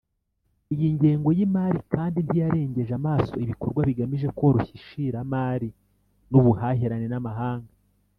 Iyi ngengo y’imari kandi ntiyarengeje amaso ibikorwa bigamije koroshya ishiramari n’ubuhahirane n’amahanga